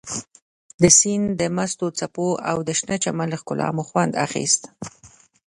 د سیند د مستو څپو او د شنه چمن له ښکلا مو خوند اخیست.